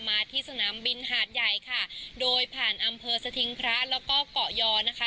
มาที่สนามบินหาดใหญ่ค่ะโดยผ่านอำเภอสถิงพระแล้วก็เกาะยอนะคะ